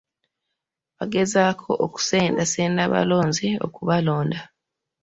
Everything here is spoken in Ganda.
Bagezaako okusendasenda abalonzi okubalonda.